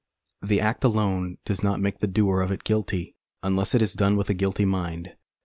The act alone does not make the doer of it guilty, unless it is done with a guilty mind.